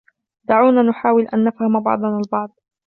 دعونا نحاول أن نفهم بعضنا البعض